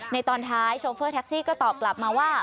ตอนท้ายโชเฟอร์แท็กซี่ก็ตอบกลับมาว่า